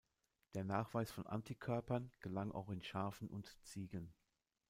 Der Nachweis von Antikörpern gelang auch in Schafen und Ziegen.